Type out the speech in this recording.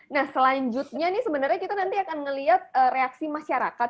nah selanjutnya nih sebenarnya kita nanti akan melihat reaksi masyarakat